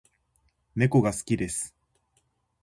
猫が好きです